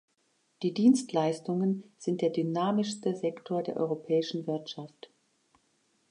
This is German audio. Die Dienstleistungen sind der dynamischste Sektor der europäischen Wirtschaft.